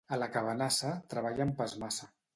A la Cabanassa, treballen pas massa.